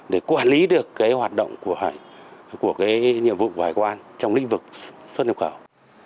để quản lý được hoạt động của nhiệm vụ của hải quan trong lĩnh vực xuất nhập khẩu